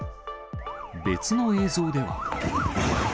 別の映像では。